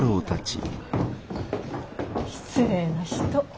失礼な人。